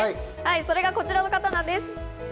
それがこちらの方です。